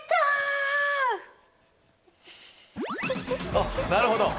あっなるほど。